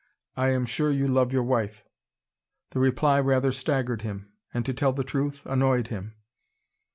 "I am sure you love your wife." The reply rather staggered him and to tell the truth, annoyed him.